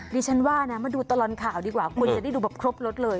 ดิฉันว่านะมาดูตลอดข่าวดีกว่าคุณจะได้ดูแบบครบรถเลย